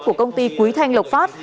của công ty quý thanh lộc phát